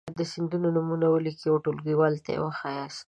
د سیندونو نومونه ولیکئ او ټولګیوالو ته یې وښایاست.